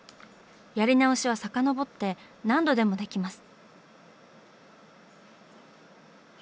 やり直しは遡って何度でもできます。